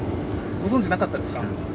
ご存じなかったですか？